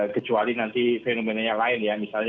kecuali nanti fenomenanya lain ya misalnya